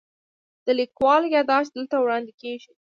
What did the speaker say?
د لیکوال یادښت دلته وړاندې کیږي.